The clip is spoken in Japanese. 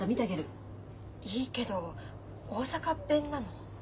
いいけど大阪弁なの。